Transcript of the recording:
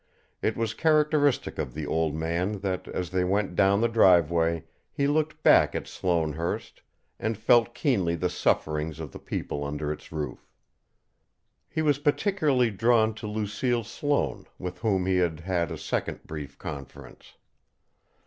It was characteristic of the old man that, as they went down the driveway, he looked back at Sloanehurst and felt keenly the sufferings of the people under its roof. He was particularly drawn to Lucille Sloane, with whom he had had a second brief conference.